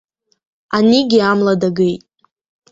Анигьы амла дагеит.